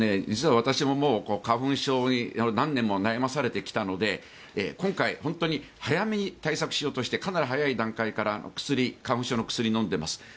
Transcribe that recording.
実は私も花粉症に何年も悩まされてきたので今回、本当に早めに対策しようとしてかなり早い段階から花粉症の薬を飲んでいます。